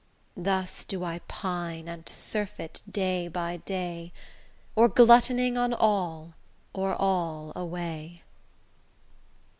Thus do I pine and surfeit day by day, Or gluttoning on all, or all away.